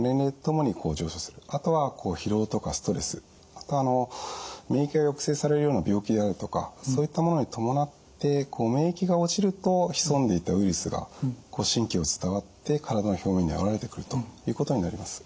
あと免疫が抑制されるような病気であるとかそういったものに伴って免疫が落ちると潜んでいたウイルスが神経を伝わって体の表面に現れてくるということになります。